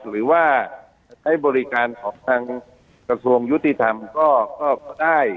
หรือว่าใช้บริการของทางกระทรวงยุติธรรมก็ได้